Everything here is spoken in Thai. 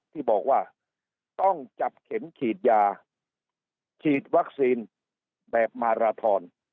ที่บอกว่าต้องจับเข็มฉีดยาฉีดวัคซีนแบบมาราทอน